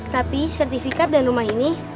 tapi sertifikat dan rumah ini